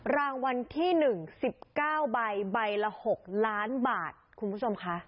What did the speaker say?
รางวัลที่๑๑๙ใบใบละ๖ล้านบาทคุณผู้ชมค่ะ